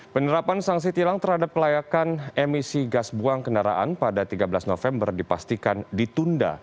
penerapan sanksi tilang terhadap kelayakan emisi gas buang kendaraan pada tiga belas november dipastikan ditunda